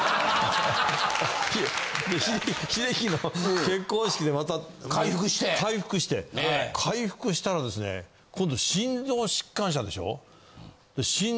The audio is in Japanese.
秀樹の結婚式でまた回復して回復したらですね今度心臓疾患者でしょ。